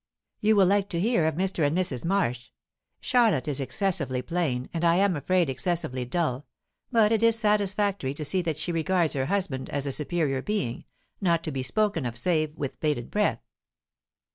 "You will like to hear of Mr. and Mrs. Marsh. Charlotte is excessively plain, and I am afraid excessively dull, but it is satisfactory to see that she regards her husband as a superior being, not to be spoken of save with bated breath.